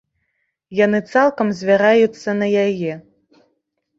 Яны цалкам звяраюцца на яе.